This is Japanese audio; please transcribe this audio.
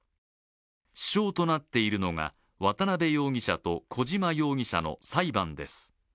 支障となっているのが渡辺容疑者と小島容疑者の裁判です。